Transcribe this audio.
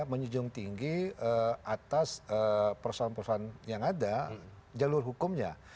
menjunjung tinggi atas persoalan persoalan yang ada jalur hukumnya